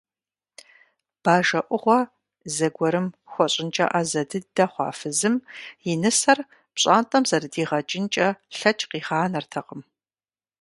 Бажэ Ӏугъуэ зыгуэрым хуэщӀынкӀэ Ӏэзэ дыдэ хъуа фызым и нысэр пщӀантӀэм зэрыдигъэкӀынкӀэ лъэкӀ къигъанэртэкъым.